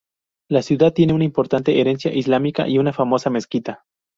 La ciudad tiene una importante herencia islámica y una famosa mezquita.